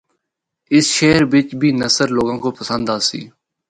اس شہر بچ بھی نثر لوگاں کو پسند آسی۔